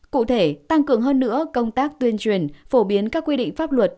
cụ thể tăng cường hơn nữa công tác tuyên truyền phổ biến các quy định pháp luật